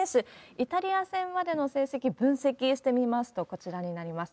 イタリア戦までの成績、分析してみますと、こちらになります。